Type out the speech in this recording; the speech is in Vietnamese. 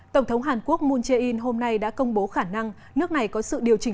tổng thống hàn quốc moon jae in hôm nay đã công bố khả năng nước này có sự điều chỉnh